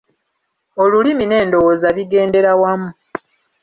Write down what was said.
Olulimi n'endowooza bigendera wamu.